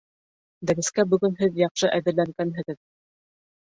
Дәрескә бөгөн һеҙ яҡшы әҙерләнгәнһегеҙ